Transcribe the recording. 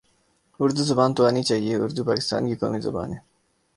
اردو زبان تو آنی چاہیے اردو پاکستان کی قومی زبان ہے